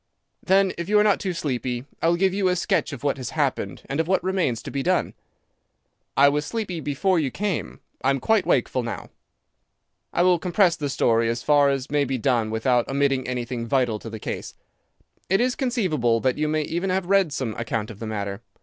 "Then, if you are not too sleepy, I will give you a sketch of what has happened, and of what remains to be done." "I was sleepy before you came. I am quite wakeful now." "I will compress the story as far as may be done without omitting anything vital to the case. It is conceivable that you may even have read some account of the matter.